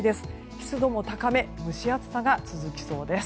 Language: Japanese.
湿度も高め蒸し暑さが続きそうです。